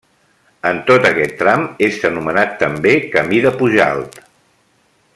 En tot aquest tram és anomenat també Camí de Pujalt.